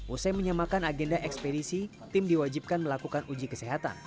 usai menyamakan agenda ekspedisi tim diwajibkan melakukan uji kesehatan